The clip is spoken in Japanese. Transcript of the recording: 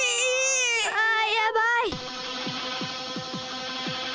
あやばい。